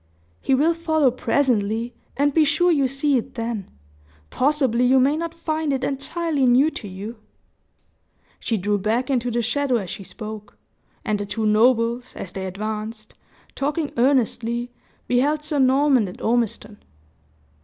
"He will follow presently, and be sure you see it then! Possibly you may not find it entirely new to you." She drew back into the shadow as she spoke; and the two nobles, as they advanced, talking earnestly, beheld Sir Norman and Ormiston.